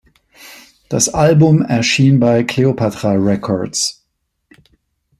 Das Album erschien bei Cleopatra Records.